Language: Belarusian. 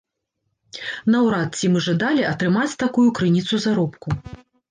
Наўрад ці мы жадалі атрымаць такую крыніцу заробку.